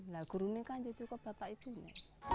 nah guru ini kan ya cukup bapak ibunya